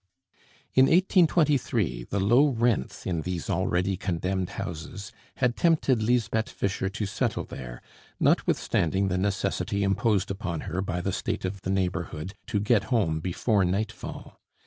In 1823 the low rents in these already condemned houses had tempted Lisbeth Fischer to settle there, notwithstanding the necessity imposed upon her by the state of the neighborhood to get home before nightfall.